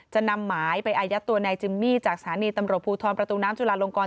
จะนำหมายไปอายัดตัวนายจิมมี่จากสถานีตำรวจภูทรประตูน้ำจุลาลงกร